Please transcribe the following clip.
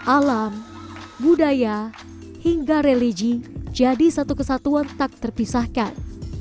alam budaya hingga religi jadi satu kesatuan tak terpisahkan